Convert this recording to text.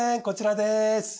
こちらです。